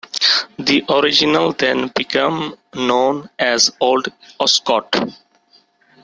The original then became known as Old Oscott.